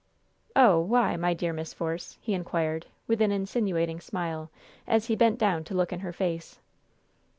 "Oh, why, my dear Miss Force?" he inquired, with an insinuating smile, as he bent down to look in her face.